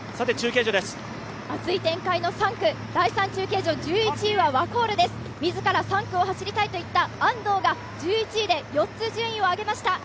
熱い展開の第３中継所、自ら３区を走りたいと言った安藤が１１位で４つ順位を上げました。